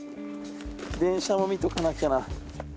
電車も見とかなきゃな。